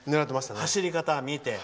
走り方を見て。